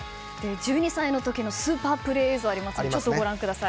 １２歳の時のスーパープレー映像がありますのでちょっとご覧ください。